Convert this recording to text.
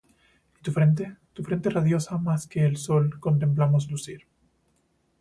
y tu frente, tu frente radiosa mas que el sol contemplamos lucir.